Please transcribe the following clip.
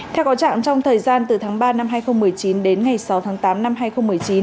theo có trạng trong thời gian từ tháng ba năm hai nghìn một mươi chín đến ngày sáu tháng tám năm hai nghìn một mươi chín